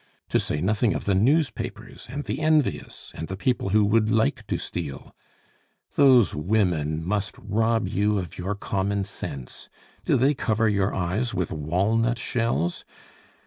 To say nothing of the newspapers, and the envious, and the people who would like to steal! those women must rob you of your common sense! Do they cover your eyes with walnut shells?